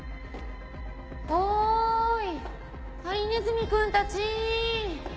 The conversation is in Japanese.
おいハリネズミ君たち。